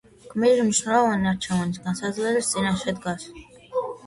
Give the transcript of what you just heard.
გმირი მნიშვნელოვანი არჩევანის, განსაცდელის წინაშე დგას.